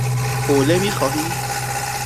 حوله می خواهید؟